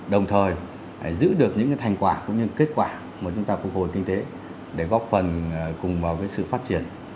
đồng thời giữ được những thành quả cũng như kết quả mà chúng ta phục hồi kinh tế để góp phần cùng vào sự phát triển